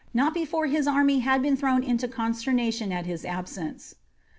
not before his army' had been thrown into consternation at his ab sence.